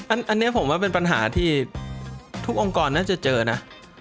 อันนี้ผมว่าเป็นปัญหาที่ทุกองค์กรน่าจะเจอนะ